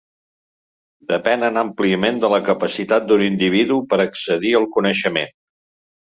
Depenen àmpliament de la capacitat d'un individu per accedir al coneixement.